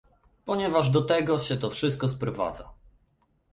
Ponieważ do tego się to wszystko sprowadza